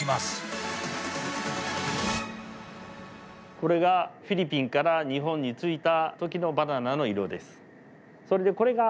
これがフィリピンから日本に着いた時のバナナの色です。